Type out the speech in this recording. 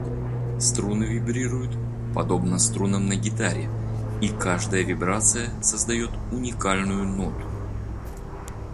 Струны вибрируют, подобно струнам на гитаре, и каждая вибрация создает уникальную ноту.